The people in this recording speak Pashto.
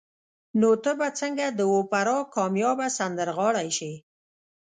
نو ته به څنګه د اوپرا کاميابه سندرغاړې شې